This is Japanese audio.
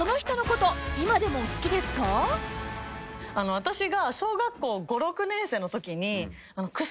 私が。